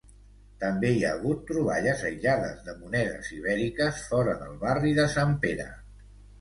També hi ha hagut troballes aïllades de monedes ibèriques fora del barri de Sant Pere.